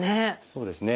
そうですね。